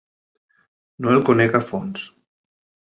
No el conec a fons.